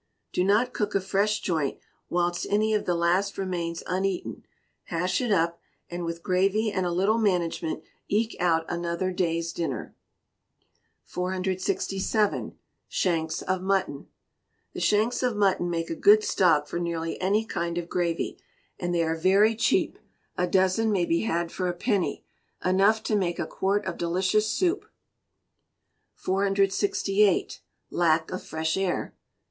Do not cook a fresh joint whilst any of the last remains uneaten hash it up, and with gravy and a little management, eke out another day's dinner. 467. Shanks of Mutton. The shanks of mutton make a good stock for nearly any kind of gravy, and they are very cheap a dozen may be had for a penny, enough to make a quart of delicious soup. 468. Lack of Fresh Air.